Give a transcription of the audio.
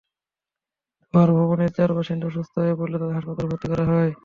ধোঁয়ায় ভবনের চার বাসিন্দা অসুস্থ হয়ে পড়লে তাঁদের হাসপাতালে ভর্তি করা হয়।